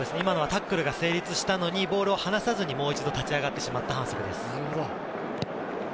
タックルが成立したのに、ボールを離さずに、もう一度立ち上がってしまった反則です。